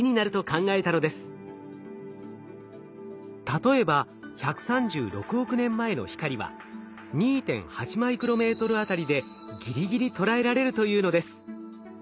例えば１３６億年前の光は２．８マイクロメートルあたりでぎりぎり捉えられるというのです。